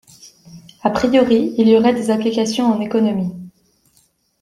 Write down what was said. A priori il y aurait des applications en économie